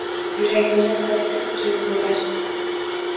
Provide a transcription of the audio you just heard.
Yuragimda sassiz tuyg’ular